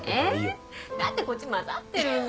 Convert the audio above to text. ええ？だってこっち混ざってるんだもん！